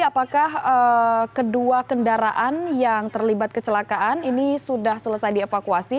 apakah kedua kendaraan yang terlibat kecelakaan ini sudah selesai dievakuasi